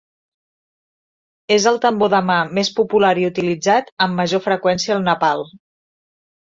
És el tambor de mà més popular i utilitzat amb major freqüència al Nepal.